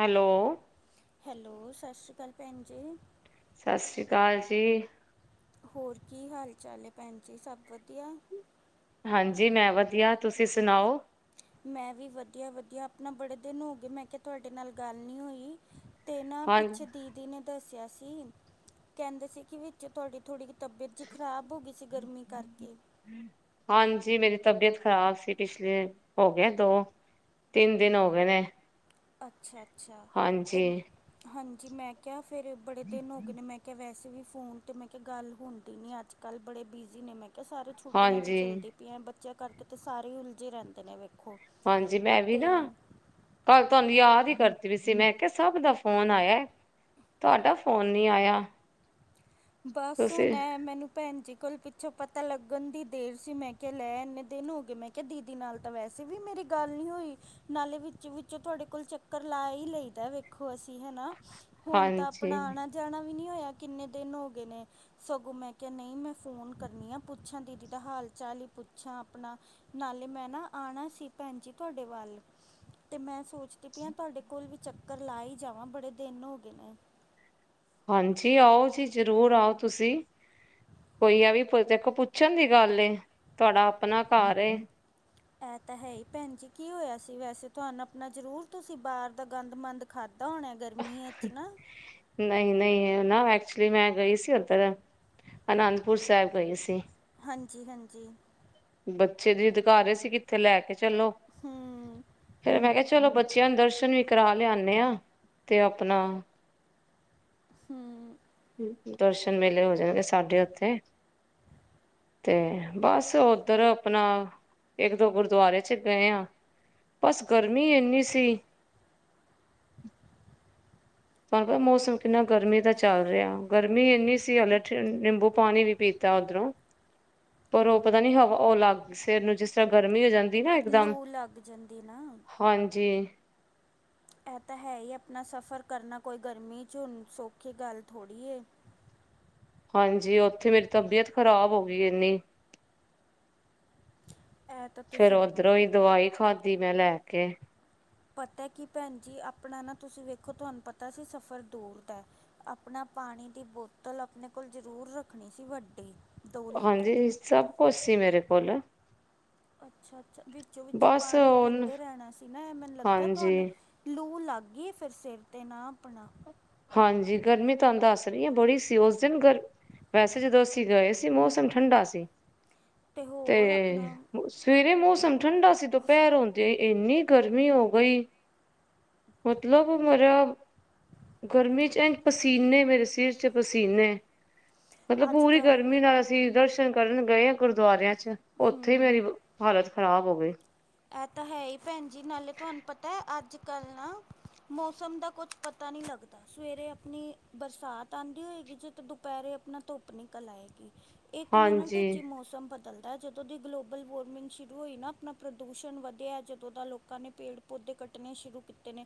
Hello. Hello, ਸਤਿ ਸ਼੍ਰੀ ਅਕਾਲ ਭੈਣ ਜੀ। ਸਤਿ ਸ਼੍ਰੀ ਅਕਾਲ ਜੀ। ਹੋਰ ਕੀ ਹਾਲ ਚਾਲ ਹੈ ਭੈਣ ਜੀ, ਸਭ ਵਧੀਆ? ਹਾਂਜੀ ਮੈਂ ਵਧੀਆ, ਤੁਸੀਂ ਸੁਣਾਓ? ਮੈਂ ਵੀ ਵਧੀਆ ਵਧੀਆ, ਆਪਣਾ ਬੜੇ ਦਿਨ ਹੋ ਗਏ ਮੈਂ ਕਿਹਾ ਤੁਹਾਡੇ ਨਾਲ ਗੱਲ ਨਹੀਂ ਹੋਈ। ਤੇ ਨਾ ਹਾਂ ਪਿੱਛੇ ਦੀਦੀ ਨੇ ਦੱਸਿਆ ਸੀ ਕਹਿੰਦੇ ਸੀ, ਕਿ ਵਿੱਚੇ ਤੁਹਾਡੀ ਥੋੜ੍ਹੀ ਜਿਹੀ ਤਬੀਅਤ ਜਿਹੀ ਖ਼ਰਾਬ ਹੋ ਗਈ ਸੀ ਗਰਮੀ ਕਰਕੇ। ਹਾਂਜੀ, ਮੇਰੀ ਤਬੀਅਤ ਖ਼ਰਾਬ ਸੀ ਪਿਛਲੇ ਹੋ ਗਿਆ ਦੋ ਤਿੰਨ ਦਿਨ ਹੋ ਗਏ ਨੇ। ਅੱਛਾ ਅੱਛਾ, ਤੇ ਹਾਂਜੀ ਹਾਂਜੀ ਮੈਂ ਕਿਹਾ ਫੇਰ ਬੜੇ ਦਿਨ ਹੋ ਗਏ ਨੇ ਮੈਂ ਕਿ ਵੈਸੇ ਵੀ ਫੋਨ ਤੇ ਮੈਂ ਕਿਹਾ ਗੱਲ ਹੁੰਦੀ ਨੀ ਅੱਜ ਕੱਲ੍ਹ, ਬੜੇ ਬਿਜੀ ਨੇ ਮੈਂ ਕਿਹਾ ਸਾਰੇ ਛੁੱਟੀਆਂ ਜੀ ਹਾਂਜੀ ਚੱਲਦੀ ਪਈਆਂ, ਬੱਚਿਆਂ ਕਰਕੇ ਤੇ ਸਾਰੇ ਹੀ ਉਲਝੇ ਰਹਿੰਦੇ ਨੇ ਵੇਖੋ। ਹਾਂਜੀ ਮੈਂ ਵੀ ਨਾ, ਅਤੇ ਕੱਲ ਤੁਹਾਨੂੰ ਯਾਦ ਹੀ ਕਰਦੀ ਪਈ ਸੀ ਮੈਂ ਕੇ ਸਭ ਦਾ ਫੋਨ ਆਇਆ, ਤੁਹਾਡਾ ਫੋਨ ਨੀ ਆਇਆ। ਬਸ ਤੁਸੀਂ ਹੁਣ ਹੈ ਮੈਨੂੰ ਭੈਣ ਜੀ ਕੋਲ ਪਤਾ ਲੱਗਣ ਦੀ ਦੇਰ ਸੀ ਮੈਂ ਕਿਹਾ, ਲੈ ਇੰਨੇ ਦਿਨ ਹੋ ਗਏ ਮੈਂ ਕਿਹਾ ਦੀਦੀ ਨਾਲ ਤਾਂ ਵੈਸੇ ਵੀ ਮੇਰੇ ਗੱਲ ਨਹੀਂ ਹੋਈ। ਨਾਲੇ ਵਿੱਚ ਵਿੱਚੋਂ ਤੁਹਾਡੇ ਕੋਲ ਚੱਕਰ ਲਾ ਹੀ ਲਈਦਾ, ਵੇਖੋ ਅਸੀਂ ਹੈਨਾ? ਹੁਣ ਤਾਂ ਆਪਣਾ ਹਾਂਜੀ ਆਣਾ ਜਾਣਾ ਵੀ ਨਹੀਂ ਹੋਇਆ, ਕਿੰਨੇ ਦਿਨ ਹੋ ਗਏ ਨੇ। ਸਗੋਂ ਮੈਂ ਕਿਹਾ ਨਹੀਂ ਮੈਂ ਫੋਨ ਕਰਨੀ ਆ, ਪੁੱਛਾਂ ਦੀਦੀ ਦਾ ਹਾਲ ਚਾਲ ਹੀ ਪੁੱਛਾਂ ਆਪਣਾ ਨਾਲੇ ਮੈਂ ਨਾ ਆਉਣਾ ਸੀ ਭੈਣ ਜੀ ਤੁਹਾਡੇ ਵੱਲ। ਤੇ ਮੈਂ ਸੋਚਦੀ ਪਈ ਆ ਤੁਹਾਡੇ ਕੋਲ ਵੀ ਚੱਕਰ ਲਾ ਹੀ ਜਾਵਾਂ, ਬੜੇ ਦਿਨ ਹੋ ਗਏ ਨੇ। ਹਾਂਜੀ, ਆਓ ਜੀ, ਜ਼ਰੂਰ ਆਓ ਤੁਸੀਂ। ਕੋਈ ਆ ਵੀ ਦੇਖੋ ਪੁੱਛਣ ਦੀ ਗੱਲ ਏ, ਤੁਹਾਡਾ ਆਪਣਾ ਘਰ ਏ ਇਹ ਤਾਂ ਹੈ ਹੀ ਭੈਣ ਜੀ, ਕੀ ਹੋਇਆ ਸੀ ਵੈਸੇ ਤੁਹਾਨੂੰ ਆਪਣਾ ਜ਼ਰੂਰ ਤੁਸੀਂ ਬਾਹਰ ਦਾ ਗੰਦ ਮੰੰਦ ਖਾਧਾ ਹੋਣਾ ਗਰਮੀਆਂ 'ਚ ਨਾ। ਨਹੀਂ ਨਹੀਂ, ਐ ਨਾ ਐਕਚੁਲੀ ਮੈਂ ਗਈ ਸੀ ਉੱਧਰ ਅਨੰਦਪੁਰ ਸਾਹਿਬ ਗਈ ਸੀ। ਹਾਂਜੀ ਹਾਂਜੀ। ਬੱਚੇ ਜਿੱਦ ਕਰ ਰਹੇ ਸੀ ਕਿੱਥੇ ਲੈ ਕੇ ਚਲੋ। ਹਮ। ਫੇਰ ਮੈਂ ਕਿਹਾ ਚਲੋ ਬੱਚਿਆਂ ਨੂੰ ਦਰਸ਼ਨ ਵੀ ਕਰਾ ਲਿਆਨੇ ਆ ਤੇ ਆਪਣਾ ਹਮ। ਦਰਸ਼ਨ ਮੇਲੇ ਹੋ [unintelligible] ਸਾਡੇ ਉੱਥੇ ਤੇ ਬਸ ਓਧਰ ਆਪਣਾ ਇੱਕ ਦੋ ਗੁਰਦੁਆਰੇ 'ਚ ਗਏ ਆ, ਬਸ ਗਰਮੀ ਇੰਨੀ ਸੀ [inaudible] ਤੁਹਾਨੂੰ ਪਤਾ ਮੌਸਮ ਕਿੰਨਾ ਗਰਮੀ ਦਾ ਚੱਲ ਰਿਹਾ, ਗਰਮੀ ਇੰਨੀ ਸੀ ਹਲੇ ਨਿੰਬੂ ਪਾਣੀ ਵੀ ਪੀਤਾ ਉੱਧਰੋਂ। ਪਰ ਉਹ ਪਤਾ ਨੀ ਹਵਾ ਉਹ ਲਗ ਸਿਰ ਨੂੰ ਜਿਸ ਤਰ੍ਹਾਂ ਗਰਮੀ ਹੋ ਜਾਂਦੀ ਨਾ ਇਕਦਮ ਲੂਹ ਲੱਗ ਜਾਂਦੀ ਨਾ। ਹਾਂਜੀ। ਇਹ ਤਾਂ ਹੈ ਹੀ ਆਪਣਾ ਸਫ਼ਰ ਕਰਨਾ ਕੋਈ ਗਰਮੀ 'ਚ ਹੁਣ ਸੌਖੀ ਗੱਲ ਥੋੜ੍ਹੀ ਹੈ। ਹਾਂਜੀ ਉੱਥੇ ਮੇਰੀ ਤਬੀਅਤ ਖ਼ਰਾਬ ਹੋ ਗਈ ਇੰਨੀ। ਇਹ ਤਾਂ ਫੇਰ ਤੁਸੀਂ ਓਧਰੋਂ ਹੀ ਦਵਾਈ ਖਾਧੀ, ਮੈਂ ਲੈ ਕੇ। ਪਤਾ ਕਿ ਭੈਣ ਜੀ ਆਪਣਾ ਨਾ ਤੁਸੀਂ ਵੇਖੋ ਤੁਹਾਨੂੰ ਪਤਾ ਸੀ ਸਫ਼ਰ ਦੂਰ ਦਾ। ਆਪਣਾ ਪਾਣੀ ਦੀ ਬੋਤਲ ਆਪਣੇ ਕੋਲ ਜ਼ਰੂਰ ਰੱਖਣੀ ਸੀ ਵੱਡੀ। ਦੋ ਲੀਟਰ ਦੀ ਹਾਂਜੀ ਸਭ ਕੁੱਛ ਸੀ ਮੇਰੇ ਕੋਲ। ਅੱਛਾ-ਅੱਛਾ, ਵਿੱਚੋਂ- ਵਿੱਚੋਂ ਬਸ ਪਾਣੀ ਹੁਣ ਪੀਂਦੇ ਰਹਿਣਾ ਸੀ ਨਾ ਮੈਨੂੰ ਲੱਗਦਾ ਹਾਂਜੀ ਤੁਹਾਨੂੰ। ਲੂ ਲੱਗ ਗਈ ਫਿਰ ਸਿਰ 'ਤੇ ਨਾ ਆਪਣਾ। ਹਾਂਜੀ, ਗਰਮੀ ਤੁਹਾਨੂੰ ਦੱਸ ਰਹੀ ਆ ਬੜੀ ਸੀ ਉਸ ਦਿਨ ਗਰਮੀ। ਵੈਸੇ ਜਦੋਂ ਅਸੀਂ ਗਏ ਸੀ, ਮੌਸਮ ਠੰਡਾ ਸੀ, ਅਤੇ ਤੇ ਹੋਰ ਆਪਣਾ ਸਵੇਰੇ ਮੌਸਮ ਠੰਡਾ ਸੀ, ਦੋਪਿਹਰ ਹੁੰਦਿਆਂ ਹੀ ਇੰਨੀ ਗਰਮੀ ਹੋ ਗਈ। ਮਤਲਬ ਮੇਰਾ ਗਰਮੀ 'ਚ ਐਂ ਪਸੀਨੇ, ਮੇਰੇ ਸਿਰ 'ਚ ਪਸੀਨੇ। ਮਤਲਬ ਅੱਜ ਪੂਰੀ ਕੱਲ੍ਹ ਗਰਮੀ ਨਾ ਨਾਲ। ਅਸੀਂ ਦਰਸ਼ਨ ਕਰਨ ਗਏ ਆ ਗੁਰਦੁਆਰਿਆਂ 'ਚ, ਉੱਥੇ ਮੇਰੀ ਹੂੰ ਹਾਲਤ ਖ਼ਰਾਬ ਹੋ ਗਈ। ਇਹ ਤਾਂ ਹੈ ਹੀ ਭੈਣ ਜੀ, ਨਾਲੇ ਤੁਹਾਨੂੰ ਪਤਾ ਹੈ ਅੱਜ-ਕੱਲ ਨਾ। ਮੌਸਮ ਦਾ ਕੁਛ ਪਤਾ ਨਹੀਂ ਲੱਗਦਾ। ਸਵੇਰੇ ਆਪਣੀ, ਬਰਸਾਤ ਆਉਂਦੀ ਹੋਏਗੀ ਜੇ ਤੇ ਦੁਪਹਿਰੇ ਆਪਣਾ ਧੁੱਪ ਨਿਕਲ ਆਏਗੀ। ਇੱਕ ਮਿੰਟ ਹਾਂਜੀ 'ਚ ਹੀ ਮੌਸਮ ਬਦਲਦਾ, ਜਦੋਂ ਦੀ ਗਲੋਬਲ ਵਾਰਮਿੰਗ ਸ਼ੁਰੂ ਹੋਈ ਨਾ ਆਪਣਾ। ਪ੍ਰਦੂਸ਼ਣ ਵਧਿਆ ਜਦੋਂ ਦਾ ਲੋਕਾਂ ਨੇ ਪੇੜ-ਪੌਦੇ ਕੱਟਣੇ ਸ਼ੁਰੂ ਕੀਤੇ ਨੇ।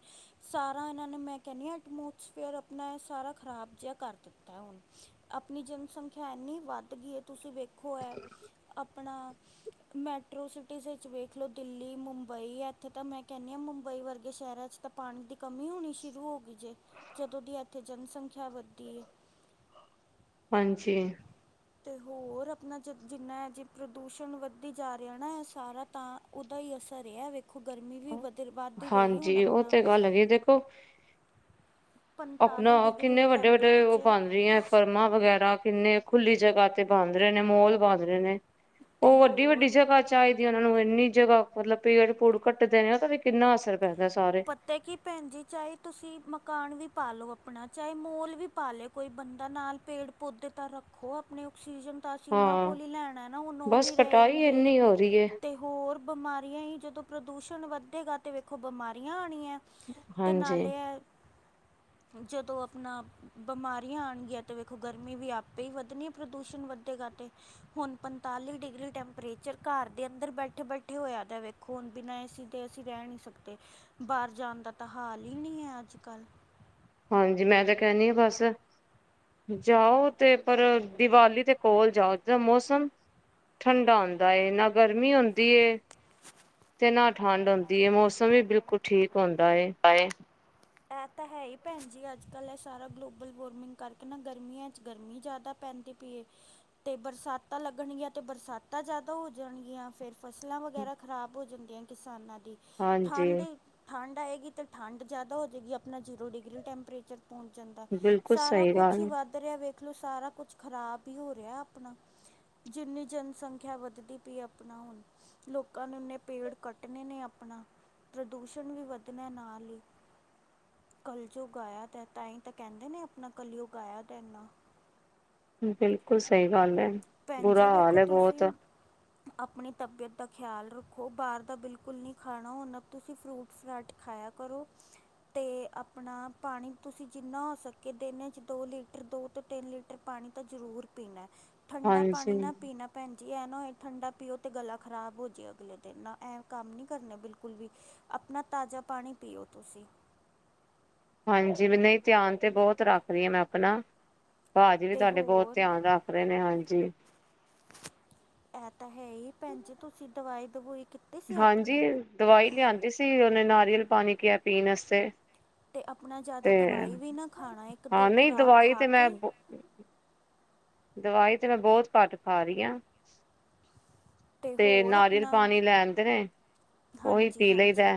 ਸਾਰਾ ਇਹਨਾਂ ਨੇ ਮੈਂ ਕਹਿਣੀ ਆ ਐਟਮੋਸਫੇਅਰ ਆਪਣਾ ਸਾਰਾ ਖ਼ਰਾਬ ਜਿਹਾ ਕਰ ਦਿੱਤਾ ਹੁਣ। ਆਪਣੀ ਜਨਸੰਖਿਆ ਇਨੀ ਵੱਧ ਗਈ ਹੈ ਤੁਸੀਂ ਵੇਖੋ ਐ, ਆਪਣਾ। ਮੈਟਰੋ ਸਿਟੀਜ਼ ਵਿੱਚ ਵੇਖ। ਦੇਖ ਲਓ ਦਿੱਲੀ ਮੁੰਬਈ ਇੱਥੇ ਤਾਂ ਮੈਂ ਕਹਿੰਦੀ ਹਾਂ ਮੁੰਬਈ ਵਰਗੇ ਸ਼ਹਿਰਾਂ 'ਚ ਤਾਂ ਪਾਣੀ ਦੀ। ਕਮੀ ਹੋਣੀ ਸ਼ੁਰੂ ਹੋ ਗਈ ਜੇ, ਜਦੋਂ ਦੀ ਇੱਥੇ ਜਨਸੰਖਿਆ ਵੱਧੀ ਏ। [inaudible] ਹਾਂਜੀ [inaudible] ਤੇ ਹੋਰ ਆਪਣਾ ਜ ਜਿੰਨਾ ਜੇ ਪ੍ਰਦੂਸ਼ਣ ਵੱਧਦੀ ਜਾ ਰਿਹਾ ਨਾ ਸਾਰਾ ਤਾਂ। ਓਦਾ ਹੀ ਅਸਰ ਏ, ਵੇਖੋ ਗਰਮੀ ਵੀ ਵਧ ਵੱਧਦੀ ਰਹੀ ਹੁਣ ਆਪਣਾ। ਕੁ [unintelligible] ਆਪਣਾ ਪੰਤਾਲੀ ਡਿਗਰੀ ਕਿੰਨੇ ਵੱਡੇ-ਵੱਡੇ ਉਹ ਟੈਂਪਰੇਚਰ ਬਣ ਰਹੀ ਹੈ। ਫਰਮਾਂ ਵਗੈਰਾ ਕਿੰਨੇ ਖੁੱਲੀ ਜਗ੍ਹਾ ਤੇ ਬੰਧ ਰਹੇ ਨੇ ਮੋਲ ਬੰਧ ਰਹੇ ਨੇ। ਅਤੇ ਉਹ ਵੱਡੀ-ਵੱਡੀ ਹੋਰ ਜਗ੍ਹਾ 'ਚ। ਚਾਹੀਦੀ ਉਹਨਾ ਨੂੰ ਇੰਨੀ ਜਗ੍ਹਾ, ਮਤਲਬ ਪੇਟ ਪੂੜ ਕੱਟ ਦੇਣੇ ਉਹ ਤਾਂ ਵੀ ਕਿੰਨਾ ਅਸਰ ਪੈਂਦਾ ਸਾਰ। ਤੇ ਕੀ ਭੈਣ ਜੀ, ਚਾਹੇ ਤੁਸੀਂ ਮਕਾਨ ਵੀ ਪਾਲਓ ਆਪਣਾ, ਚਾਹੇ ਮੋਲ ਵੀ ਪਾ ਲੇ। ਕੋਈ ਬੰਦਾ ਨਾਲ ਪੇੜ-ਪੌਦੇ ਤਾਂ ਰੱਖ। ਉਹ ਆਪਣੇ ਆਕਸੀਜਨ ਤਾਂ ਅਸੀਂ ਉਹਨਾਂ ਹਾਂ ਕੋਲ ਹੀ ਲੈਣਾ ਨਾ ਹੁਨ ਉਹ ਬਸ ਨੀ ਕਟਾਈ ਰਹੇਗੇ ਇੰਨੀ ਹੋ ਰਹੀ ਹੈ ਤੇ। ਹੋਰ ਬਿਮਾਰੀਆਂ ਹੀ ਜਦੋਂ ਪ੍ਰਦੂਸ਼ਣ ਵੱਧੇਗਾ ਤਾਂ ਵੇਖੋ ਬਿਮਾਰੀਆਂ ਆਉਣੀਆਂ। ਅਤੇ ਹਾਂਜੀ ਨਾਲੇ ਐ, ਜਦੋਂ ਆਪਣਾ ਬਿਮਾਰੀਆਂ ਆਣਗੀਆਂ ਤੇ ਵੇਖੋ ਗਰਮੀ ਵੀ ਆਪੇ ਹੀ ਵੱਧਣੀ ਹੈ, ਪ੍ਰਦੂਸ਼ਣ ਵੱਧੇਗਾ ਤੇ। ਹੁਣ ਪੰਤਾਲੀ ਡਿਗਰੀ ਟੈਂਪਰੇਚਰ ਘਰ ਦੇ ਅੰਦਰ ਬੈਠੇ-ਬੈਠੇ ਹੋਇਆ। ਖੂਨ ਬਿਨਾਂ ਏਸੀ ਦੇ ਅਸੀਂ ਰਹਿ ਨਹੀਂ ਸਕਦੇ, ਬਾਹਰ ਜਾਣ ਦਾ ਤਾਂ ਹਾਲ ਹੀ ਨਹੀਂ ਹੈ ਅੱਜ-ਕੱਲ੍ਹ। ਹਾਂਜੀ, ਮੈਂ ਤਾਂ ਕਹਿਣੀ ਆ ਬਸ ਜਾਓ ਤੇ ਪਰ ਦੀਵਾਲੀ ਦੇ ਕੋਲ ਜਾਓ, ਦਾ ਮੌਸਮ ਠੰਡਾ ਹੁੰਦਾ ਏ, ਨਾ ਗਰਮੀ ਹੁੰਦੀ ਏ ਤੇ ਨਾ ਠੰਢ ਹੁੰਦੀ ਏ, ਮੌਸਮ ਵੀ ਬਿਲਕੁਲ ਠੀਕ ਹੁੰਦਾ ਏ। ਆਏ [unintelligible] ਇਹ ਤਾਂ ਹੈ ਹੀ ਭੈਣ ਜੀ ਅੱਜ- ਕੱਲ੍ਹ, ਇਹ ਸਾਰਾ ਗਲੋਬਲ ਵਾਰਮਿੰਗ ਕਰਕੇ ਨਾ ਗਰਮੀਆਂ 'ਚ ਗਰਮੀ ਜ਼ਿਆਦਾ ਪੈਂਦੀ ਏ, ਤੇ ਬਰਸਾਤਾਂ ਲੱਗਣਗੀਆਂ ਤੇ ਬਰਸਾਤਾਂ ਜ਼ਿਆਦਾ ਹੋ ਜਾਣਗੀਆਂ ਫੇਰ। ਫਸਲਾਂ ਵਗੈਰਾ ਖ਼ਰਾਬ ਹੋ ਜਾਂਦੀਆਂ ਕਿਸਾਨਾਂ ਦੀ, ਹਾਂਜੀ ਠੰਡ ਠੰਡ ਆਏਗੀ ਤਾਂ ਠੰਡ ਜ਼ਿਆਦਾ ਹੋ ਜਾਏਗੀ, ਆਪਣਾ ਜ਼ੀਰੋ ਡਿਗਰੀ ਟੈਂਪਰੇਚਰ ਪਹੁੰਚ ਜਾਂਦਾ, ਬਿਲਕੁਲ ਸਾਰਾ ਸਹੀ ਕੁਛ ਹੀ ਗੱਲ ਵੱਧ ਰਿਹਾ, ਇਹ ਵੇਖ ਲੋ ਸਾਰਾ ਕੁਛ ਖ਼ਰਾਬ ਹੀ ਹੋ ਰਿਹਾ ਆਪਣਾ। ਜਿੰਨੀ ਜਨਸੰਖਿਆ ਵੱਧਦੀ ਪਈ ਆਪਣਾ ਹੁਣ, ਲੋਕਾਂ ਨੇ ਇਨੇ ਪੇੜ ਕੱਟ ਕੱਟਣੇ ਨੇ ਆਪਣਾ, ਪ੍ਰਦੂਸ਼ਣ ਵੀ ਵੱਧਣਾ ਨਾਲ ਹੀ ਕਲਯੁੱਗ ਆਇਆ ਤਾਂਈ ਤਾਂ ਕਹਿੰਦੇ ਨੇ ਆਪਣਾ, ਕਲਯੁੱਗ ਆਇਆ ਤੇ ਇਨਾ ਬਿਲਕੁਲ ਸਹੀ ਗੱਲ ਹੈ ਭੈਣ ਬੁਰਾ ਜੀ ਹਾਲ ਵੇਖੋ ਹੈ ਬਹੁਤ। ਤੁਸੀਂ ਆਪਣੀ ਤਬੀਅਤ ਦਾ ਖਿਆਲ ਰੱਖੋ, ਬਾਹਰ ਦਾ ਬਿਲਕੁਲ ਨਹੀਂ ਖਾਣਾ ਉਹ ਨਾ ਤੁਸੀਂ ਫਰੂਟ ਫਰਾਟ ਖਾਇਆ ਕਰੋ। ਅਤੇ ਆਪਣਾ ਪਾਣੀ ਤੁਸੀਂ ਜਿੰਨਾ ਹੋ ਸਕੇ ਦਿਨਾਂ 'ਚ ਦੋ ਲੀਟਰ ਦੋ ਤੋਂ ਤਿੰਨ ਲੀ ਟਰ ਪਾਣੀ ਤਾਂ ਜ਼ਰੂਰ ਪੀਣਾ, ਠੰਡਾ ਹਾਂਜੀ ਪਾਣੀ ਨਾ ਪੀਣਾ। ਭੈਣ ਜੀ ਐਂ ਨਾ ਹੋਏ ਠੰਡਾ ਪੀਓ ਤਾਂ ਗਲਾ ਖਰਾਬ ਹੋ ਜਾਵੇ ਅਗਲੇ ਦਿਨ, ਨਾ ਐਂ ਕੰਮ ਨਹੀਂ ਕਰਨੇ ਬਿਲਕੁਲ ਵੀ ਆਪਣਾ ਤਾਜ਼ਾ ਪਾਣੀ ਪੀਓ ਤੁਸੀਂ। ਹਾਂਜੀ ਵੀ ਨਹੀਂ ਧਿਆਨ ਤੇ ਬਹੁਤ ਰੱਖਦੀ ਹਾਂ ਮੈਂ ਆਪਣਾ, ਭਾਜੀ ਵੀ ਅਤੇ ਤੁਹਾਡੇ ਬਹੁਤ ਹੋਰ ਧਿਆਨ ਰੱਖ ਦੇ ਨੇ, ਹਾਂਜੀ। ਇਹ ਤਾਂ ਹੈ ਹੀ ਭੈਣ ਜੀ, ਤੁਸੀਂ ਦਵਾਈ ਦਬੂਈ ਕਿ ਹਾਂਜੀ, ਦਵਾਈ ਲਿਆਂਦੀ ਸੀ ਉਹਨੇ ਨਾਰੀਅਲ ਪਾਣੀ ਕਿਹਾ ਪੀਣ ਵਾਸਤੇ ਅਤੇ ਆਪਣਾ ਜ਼ਿਆਦਾ ਤੇ ਦਵਾਈ ਵੀ ਨਾ ਖਾਣਾ, ਇੱਕ ਦੋ ਹਾਂ ਨਹੀਂ ਖੁਰਾਕ ਦਵਾਈ ਖਾ ਤੇ ਮੈਂ ਕੇ ਦਵਾਈ ਤੇ ਮੈਂ ਬਹੁਤ ਘੱਟ ਖਾ ਰਹੀ ਆਂ, ਤੇ ਹੋਰ ਨਾਰੀਅਲ ਆਪਣਾ ਪਾਣੀ ਲੈ ਆਂਦੇ ਨੇ, ਉਹੀ ਹਾਂਜੀ ਪੀ ਲਈ ਦਾ। ਹਾਂਜੀ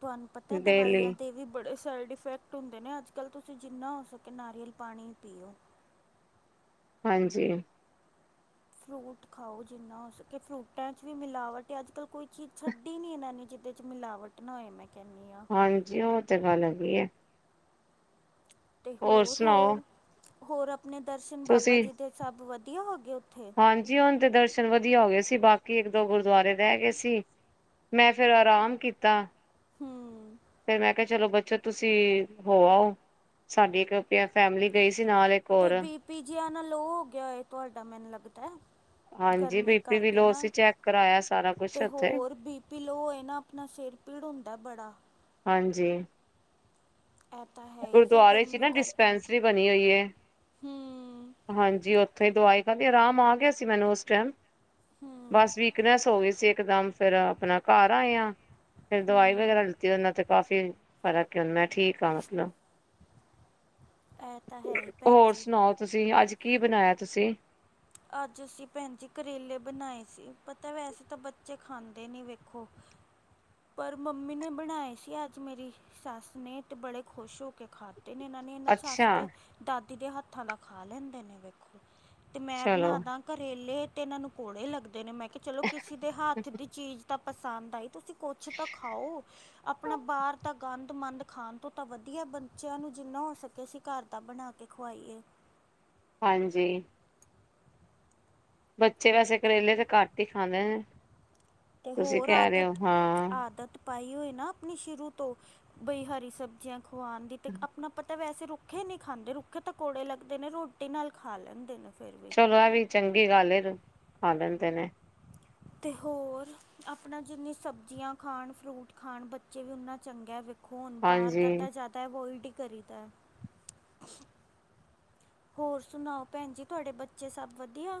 ਤੁਹਾਨੂੰ ਪਤਾ ਡੇਲੀ ਦਵਾਈਆਂ ਦੇ ਵੀ ਬੜੇ ਸਾਈਡ ਇਫੈਕਟ ਹੁੰਦੇ ਨੇ ਅੱਜ ਕੱਲ੍ਹ, ਤੁਸੀਂ ਜਿੰਨਾ ਹੋ ਸਕੇ ਨਾਰੀਅਲ ਪਾਣੀ ਪੀਓ। ਹਾਂਜੀ। ਫਰੂਟ ਖਾਓ ਜਿੰਨਾ ਹੋ ਸਕੇ ਫਰੂਟਾਂ 'ਚ ਵੀ ਮਿਲਾਵਟ ਹੈ ਅੱਜ ਕੱਲ੍ਹ, ਕੋਈ ਚੀਜ਼ ਛੱਡੀ ਨਹੀਂ ਇਹਨਾਂ ਨੇ ਕਿਤੇ। ਵਿੱਚ ਮਿਲਾਵਟ ਨਾ ਹੋਏ ਮੈਂ ਕਹਿੰਦੀ ਆਂ। ਹਾਂਜੀ, ਓਹ ਤੇ ਗੱਲ ਹੈਗੀ ਆ। ਅਤੇ ਹੋਰ ਸੁਣਾਓ ਹੋਰ, ਹੋਰ ਆਪਣੇ ਦਰਸ਼ਨ ਬਾਬਾ ਤੁਸੀਂ ਜੀ ਦੇ ਸਭ ਵਧੀਆ ਹੋ ਗਏ ਉੱਥੇ? ਹਾਂਜੀ ਹੁਣ ਤੇ ਦਰਸ਼ਨ ਵਧੀਆ ਹੋ ਗਏ ਸੀ, ਬਾਕੀ ਇੱਕ ਦੋ ਗੁਰਦੁਆਰੇ ਰਹਿ ਗਏ ਸੀ। ਮੈਂ ਫਿਰ ਆਰਾਮ ਕੀਤਾ। ਹੂੰ ਫ਼ਿਰ ਮੈਂ ਕਿਹਾ ਚਲੋ ਬੱਚ ਤੁਸੀਂ ਹੋ ਆਓ, ਸਾਡੀ ਇੱਕ ਫੈਮਿਲੀ ਗਈ ਸੀ ਨਾਲ ਤੇ ਹੋਰ ਬੀ ਪੀ ਜਿਹਾ ਨਾ ਲੋ ਹੋ ਗਿਆ ਤੁਹਾਡਾ, ਮੈਨੂੰ ਲੱਗਦਾ ਹਾਂਜੀ ਗਰਮੀ ਬੀ ਪੀ ਵੀ ਕਰਕੇ ਲੋ ਨਾ, ਸੀ ਚੈੱਕ ਕਰਾਇਆ ਸਾਰਾ ਕੁਛ ਤੇ ਉੱਥੇ ਹੋਰ ਬੀ ਪੀ ਲੋ ਹੋਏ ਨਾ ਆਪਣਾ, ਸਿਰ ਪੀੜ ਹੁੰਦਾ ਬੜਾ ਹਾਂਜੀ। ਇਹ ਤਾਂ ਹੈ ਹੀ ਫਿਰ ਗੁਰਦੁਆਰੇ 'ਚ ਗਰਮੀ ਨਾ ਕਰਕੇ ਡਿਸਪੈਂਸਰੀ ਬਣੀ ਹੋਈ ਹੈ। ਹੂੰ ਹਾਂਜੀ ਉੱਥੇ ਹੀ ਦਵਾਈ ਖਾਂ ਕੇ ਆਰਾਮ ਆ ਗਿਆ ਸੀ ਮੈਨੂੰ ਉਸ ਟਾਈਮ। ਹੂੰ ਬਸ ਵੀਕਨੈਸ ਹੋ ਗਈ ਸੀ ਇੱਕ ਦਮ ਫਿਰ ਆਪਣਾ ਘਰ ਆਏ ਹਾਂ, ਫਿਰ ਦਵਾਈ ਹੂੰ ਵਗੈਰਾ ਲਿੱਤੀ ਉਹਨਾਂ ਤੇ ਕਾਫ਼ੀ ਫਰਕ ਮੈਂ ਠੀਕ ਹਾਂ ਅਪਣਾ, ਇਹ ਤਾਂ ਹੈ ਹੀ ਭੈਣ ਹੋਰ ਜੀ। ਸੁਣਾਓ? ਤੁਸੀਂ ਅੱਜ ਕੀ ਬਣਾਇਆ, ਤੁਸੀਂ? ਅੱਜ ਅਸੀਂ ਭੈਣ ਜੀ ਕਰੇਲੇ ਬਣਾਏ ਸੀ, ਪਤਾ ਵੈਸੇ ਤਾਂ ਬੱਚੇ ਖਾਂਦੇ ਨਹੀਂ ਵੇਖੋ। ਪਰ ਮੰਮੀ ਨੇ ਬਣਾਏ ਸੀ ਅੱਜ ਮੇਰੀ। ਸੱਸ ਨੇ, ਤੇ ਬੜੇ ਖੁਸ਼ ਹੋ ਕੇ ਖਾਧੇ ਇਹਨਾ ਨੇ ਇਹ ਨਾ ਅੱਛਾ ਸੱਸ ਤੇ ਦਾਦੀ ਦੇ ਹੱਥਾਂ ਦਾ ਖਾ ਲੈਂਦੇ ਨੇ ਵੇਖੋ, ਤੇ ਮੈਂ ਚਲੋ ਬਣਾਦਾ ਕਰੇਲੇ ਤੇ ਇਹਨਾਂ ਨੂੰ ਕੋਲੇ ਲੱਗਦੇ ਨੇ, ਮੈਂ ਕਿਹਾ ਚਲੋ ਕਿਸੇ ਦੇ ਹੱਥ ਦੀ ਚੀਜ਼ ਤਾਂ ਪਸੰਦ ਆਈ, ਤੁਸੀਂ ਕੁਛ ਤਾਂ ਖਾਓ, ਆਪਣਾ ਬਾਹਰ ਤਾਂ ਗੰਦ- ਮੰੰਦ ਖਾਣ ਤੋਂ ਤਾਂ ਵਧੀਆ, ਬੱਚਿਆਂ ਨੂੰ ਜਿੰਨਾ ਹੋ ਸਕੇ ਅਸੀਂ ਘਰ ਦਾ ਬਣਾ ਕੇ ਖਵਾਈਏ। ਹਾਂਜੀ। ਬੱਚੇ ਵੈਸੇ ਕਰੇਲੇ ਤੇ ਘੱਟ ਹੀ ਖਾਂਦੇ ਨੇ। ਤੇ ਤੁਸੀਂ ਹੋਰ ਕਹਿ ਰਹੇ ਆਦਤ, ਹੋ ਹਾਂ ਆਦਤ ਪਾਈ ਹੋਈ ਨਾ ਆਪਣੀ ਸ਼ੁਰੂ ਤੋਂ, ਬਈ ਹਰੀ ਸਬਜ਼ੀਆਂ ਖਵਾਉਣ ਦੀ ਤੇ ਆਪਣਾ ਪਤਾ ਵੈਸੇ ਰੁਕ ਰੁੱਖੇ ਨੀ ਖਾਂਦੇ, ਰੁੱਖੇ ਤ, ਕੌੜੇ ਲੱਗਦੇ ਨੇ, ਰੋਟੀ ਨਾਲ ਖਾ ਲੈਂਦੇ ਨੇ ਫਿਰ ਵੀ ਚਲੋ ਵੀ ਚੰਗੀ ਗੱਲ ਹੈ ਆ ਖਾ ਲੈਂਦੇ ਨੇ। ਤਿ ਹੋਰ ਆਪਣਾ ਜਿੰਨੀ ਸਬਜ਼ੀਆਂ ਖਾਣ, ਫਰੂਟ ਖਾਣ ਬੱਚੇ ਵੀ ਉਹਨਾ ਚੰਗਾ। ਹੁਣ ਬਾਹਰ ਦਾ ਹਾਂਜੀ ਤਾਂ ਜ਼ਿਆਦਾ ਅਵੋਇਡ ਹੀ ਕਰੀਦਾ। ਹੋਰ ਸੁਣਾਓ ਭੈਣ ਜੀ, ਤੁਹਾਡੇ ਬੱਚੇ ਸਭ ਵਧੀਆ?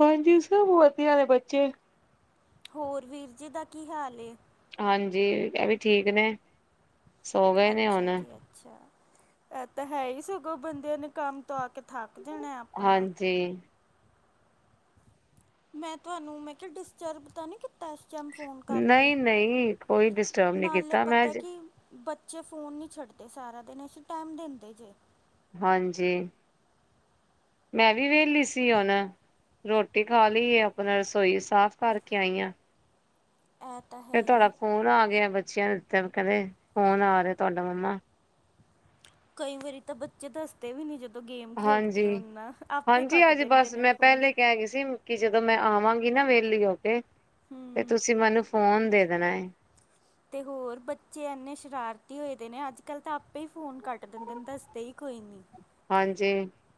ਹਾਂਜੀ, ਸਭ ਵਧੀਆ ਨੇ ਬੱਚੇ। ਹੋਰ ਵੀਰ ਜੀ ਦਾ ਕੀ ਹਾਲ ਏ। ਹਾਂਜੀ, ਇਹ ਵੀ ਠੀਕ ਨੇ। ਸੋ ਗਏ ਨੇ ਅੱਛਾ ਹੁਣ ਜੀ ਅੱਛਾ। ਅੱਛਾ, ਐਦਾ ਤਾਂ ਹੈ ਹੀ ਸਗੋਂ ਬੰਦਿਆਂ ਨੇ ਕੰਮ ਤੋਂ ਆ ਕੇ ਥੱਕ ਜਾਣਾ। ਆਪਣਾ ਹਾਂਜੀ। ਮੈਂ ਤੁਹਾਨੂੰ, ਮੈਂ ਕਿਹਾ ਡਿਸਟਰਬ ਤਾਂ ਨਹੀਂ ਕਿ ਇਸ ਟਾਈਮ ਫੋਨ ਕਰਕੇ, ਨਹੀਂ ਨਹੀਂ ਕੋਈ ਡਿਸਟਰਬ ਨਹੀਂ ਨਾਲੇ ਕੀਤਾ ਮੈਂ ਪਤਾ ਕਿ ਬੱਚੇ ਫੋਨ ਨਹੀਂ ਛੱਡਦੇ ਸਾਰਾ ਦਿਨ, ਅਸੀਂ ਟਾਈਮ ਦਿੰਦੇ ਜੇ। ਹਾਂਜੀ। ਮੈਂ ਵੀ ਵੇਹਲੀ ਸੀ ਹੁਣ, ਰੋਟੀ ਖਾ ਲਈਏ ਆਪਣਾ ਰਸੋਈ ਸਾਫ਼ ਕਰਕੇ ਆਈ ਆ। ਆਪ [unintelligible] ਫਿਰ ਤੁਹਾਡਾ ਫੋਨ ਆ ਗਿਆ ਬੱਚਿਆਂ ਨੂੰ ਕਦੇ, ਫੋਨ ਆ ਰਿਹਾ ਤੁਹਾਡਾ ਮੰਮਾ। ਕਈ ਵਾਰੀ ਤ ਬਧ ਜੇ ਦੱਸਦੇ ਵੀ ਨ ਜਦੋਂ ਗੇਮ ਹਾਂਜੀ ਖੇਡਦੇ ਹੋ ਨਾ, ਆਪੇ ਕੱਟ ਦਿੰਦੇ ਨੇ ਉਹ ਫੋਨ। ਕਿਹ ਗਏ ਸੀ। ਕਿ ਜਦੋਂ ਮੈਂ ਆਵਾਂਗੀ ਨਾ ਵਿਹਲੀ ਹੋ ਕੇ, ਤੇ ਹੂੰ ਤੁਸੀਂ ਮੈਨੂੰ ਫੋਨ ਦੇ ਦੇਣਾ ਹੈ। ਤੇ ਹੋਰ ਬੱਚੇ ਇੰਨੇ ਸ਼ਰਾਰਤੀ ਹੋਏ ਦੇ ਨੇ ਅੱਜ ਕੱਲ੍ਹ ਤਾਂ ਆਪੇ ਹੀ ਫੋਨ ਕੱਟ ਦਿੰਦੇ ਨੇ ਦੱਸਦੇ ਹੀ ਕੋਈ ਨਹੀਂ। ਹਾਂਜੀ।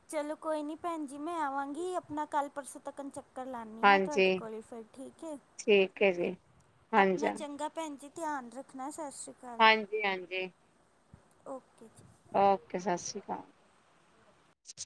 ਚਲੋ ਕੋਈ ਨਹੀਂ ਭੈਣ ਜੀ, ਮੈਂ ਆਵਾਂਗੀ ਆਪਣਾ ਕੱਲ੍ਹ ਪਰਸੋਂ ਤੱਕ ਚੱਕ ਕਲ ਆਨੀ ਹਾਂ ਤੁਹਾਡੇ ਹਾਂਜੀ ਕੋਲ ਫਿਰ ਠੀਕ ਏ, ਠੀਕ ਹੈ ਜੀ ਹਾਂਜੀ ਆਪਣਾ ਚੰਗਾ ਭੈਣ ਜੀ। ਧਿਆਨ ਰੱਖਣਾ ਸਤਿ ਸ਼੍ਰੀ ਅਕਾਲ। ਹਾਂਜੀ, ਹਾਂਜੀ। ਓਕੇ ਜੀ। ਓਕੇ ਸਤਿ ਸ਼੍ਰੀ ਅਕਾਲ।